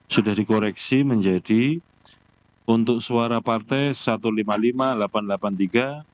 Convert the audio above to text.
sudah dikoreksi menjadi untuk suara partai satu ratus lima puluh lima delapan ratus delapan puluh tiga